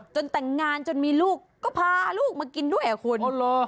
แต่งงานจนมีลูกก็พาลูกมากินด้วยอ่ะคุณ